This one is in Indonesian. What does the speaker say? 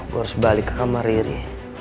gue harus balik ke kamar ini